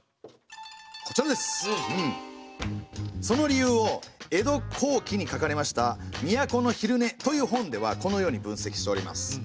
その理由を江戸後期に書かれました「皇都午睡」という本ではこのように分析しております。